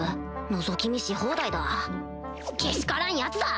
のぞき見し放題だけしからんヤツだ！